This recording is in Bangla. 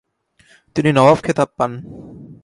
তিনি নওয়াব খেতাব পান।